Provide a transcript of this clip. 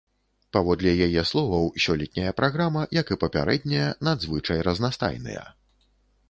Паводле яе словаў, сёлетняя праграма, як і папярэднія, надзвычай разнастайныя.